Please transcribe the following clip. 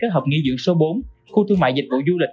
các hợp nghị dưỡng số bốn khu thương mại dịch vụ du lịch